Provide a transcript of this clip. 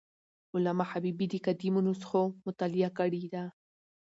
علامه حبیبي د قدیمو نسخو مطالعه کړې ده.